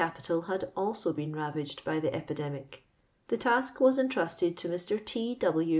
,• ^tpital had also been ravaged by tlie epidemir. The ta^ was entrusted to Air. T. W.